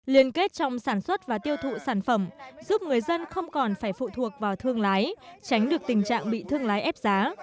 liên kết trong sản xuất và tiêu thụ sản phẩm giúp người dân không còn phải phụ thuộc vào thương lái tránh được tình trạng bị thương lái ép giá